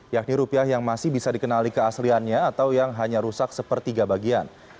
yakni rupiah yang masih bisa dikenali keasliannya atau yang hanya rusak sepertiga bagian